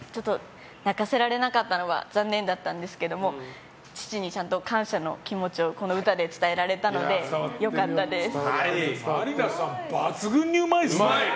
泣かせられなかったのは残念だったんですが父にちゃんと感謝の気持ちをこの歌で伝えられたので真里奈さん抜群にうまいですね。